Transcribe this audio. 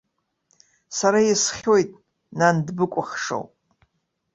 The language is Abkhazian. Сара исхьоит, нан дбыкәыхшоуп.